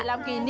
làm kỷ niệm ấy